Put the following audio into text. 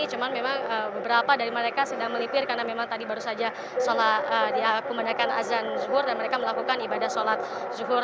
cuma memang beberapa dari mereka sedang melipir karena memang tadi baru saja diakumendakan azan zuhur dan mereka melakukan ibadah sholat zuhur